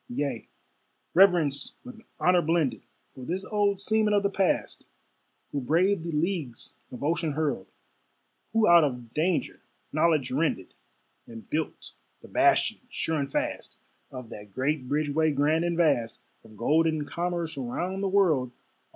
Yea, reverence with honor blended, For this old seaman of the past, Who braved the leagues of ocean hurled, Who out of danger knowledge rended, And built the bastions, sure and fast, Of that great bridgeway grand and vast Of golden commerce round the world.